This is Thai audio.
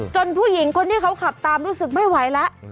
ผู้หญิงคนที่เขาขับตามรู้สึกไม่ไหวแล้ว